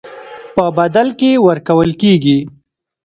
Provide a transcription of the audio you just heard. په بدل کې ورکول کېږي.